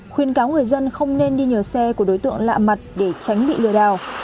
khuyên cáo người dân không nên đi nhờ xe của đối tượng lạ mặt để tránh bị lừa đảo